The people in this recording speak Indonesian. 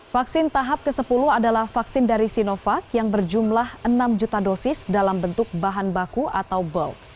vaksin tahap ke sepuluh adalah vaksin dari sinovac yang berjumlah enam juta dosis dalam bentuk bahan baku atau bulk